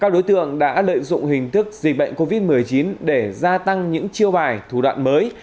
các đối tượng đã lợi dụng hình thức dịch bệnh covid một mươi chín để gia tăng những chiêu bài thủ đoạn mới